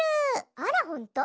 あらほんと。